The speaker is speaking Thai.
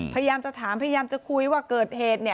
พยายามจะถามพยายามจะคุยว่าเกิดเหตุ